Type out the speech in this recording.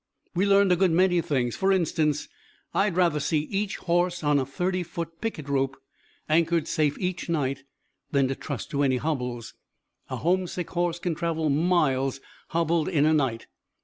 We learned a good many things. For instance, I'd rather see each horse on a thirty foot picket rope, anchored safe each night, than to trust to any hobbles. A homesick horse can travel miles, hobbled, in a night.